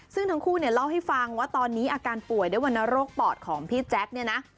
ซึ่งทั้งคู่เนี่ยเล่าให้ฟังว่าตอนนี้อาการป่วยด้วยวรรณโรคปอดของพี่แจ๊คเนี่ยนะ